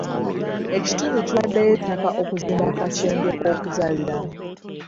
Ekitundu kiwaddeyo ettaka okuzimba akasenge k'okuzaaliramu.